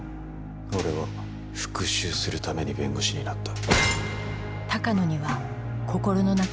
俺は復しゅうするために弁護士になった。